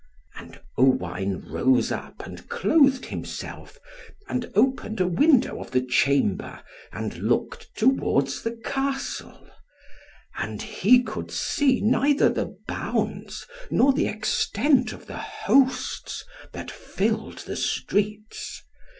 And Owain rose up, and clothed himself, and opened a window of the chamber, and looked towards the Castle; and he could see neither the bounds, nor the extent of the hosts that filled the streets.